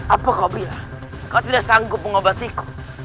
apa kau bilang kau tidak sanggup mengobatiku